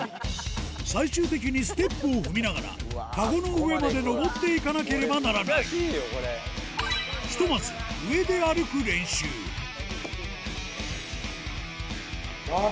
最終的にステップを踏みながらかごの上まで上っていかなければならないひとまずあっ！